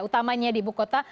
utamanya di ibu kota